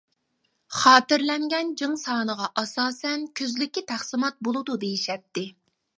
خاتىرىلەنگەن جىڭ سانىغا ئاساسەن كۈزلۈككە تەقسىمات بولىدۇ دېيىشەتتى.